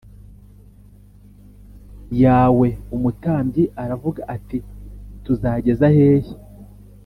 yawe Umutambyi aravuga ati tuzageza hehe